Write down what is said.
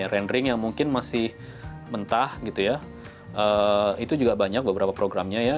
rendering yang mungkin masih mentah itu juga banyak beberapa programnya